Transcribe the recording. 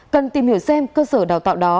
cần tìm hiểu xem cơ sở đào tạo đó